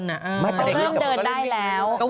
เขาเริ่มเดินได้แล้ว